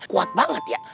kuat banget ya